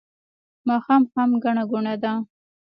ماښام هم ګڼه ګوڼه ده